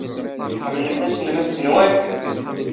Tḥemmlemt iselmaden-nwent?